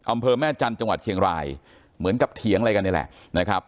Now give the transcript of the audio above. อำเภอแม่จันทร์จังหวัดเชียงรายเหมือนกับเถียงอะไรกันนี่แหละนะครับ